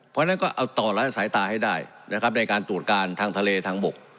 เพราะฉะนั้นก็เอาต่อหลายสายตาให้ได้นะครับในการตรวจการทางทะเลทางบก